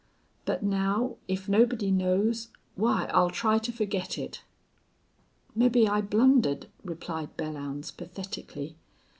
But now, if nobody knows why, I'll try to forget it." "Mebbe I blundered," replied Belllounds, pathetically.